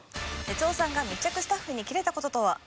哲夫さんが密着スタッフにキレた事とは？